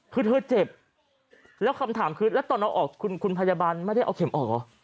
คือเธอเจ็บแล้วคำถามคือแล้วตอนเอาออกคุณพยาบาลไม่ได้เอาเข็มออกเหรอ